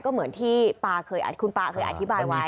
ก็เหมือนที่คุณปลาเคยอธิบายไว้